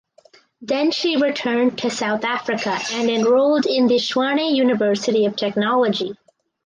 Then she returned to South Africa and enrolled at the Tshwane University of Technology.